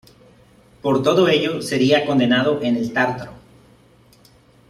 Por todo ello sería condenado en el Tártaro.